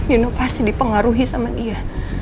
inova pasti dipengaruhi sama dia